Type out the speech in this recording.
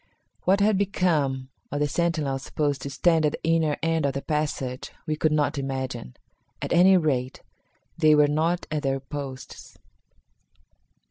What had become of the sentinels supposed to stand at the inner end of the passage we could not imagine. At any rate, they were not at their posts.